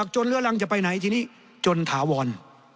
เรือรังจะไปไหนทีนี้จนถาวร